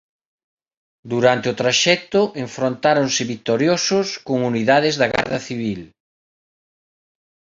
Durante o traxecto enfrontáronse vitoriosos con unidades da Garda Civil.